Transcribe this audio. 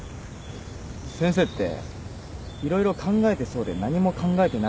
先生って色々考えてそうで何も考えてないよな。